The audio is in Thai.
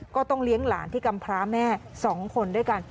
ก็ต้องเลี้ยงหลานที่กำพร้าแม่๒คนด้วยกัน